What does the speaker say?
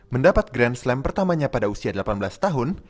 mendapat grand slam pertamanya pada usia delapan belas tahun